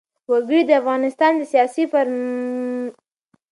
وګړي د افغانستان د سیاسي جغرافیه برخه ده.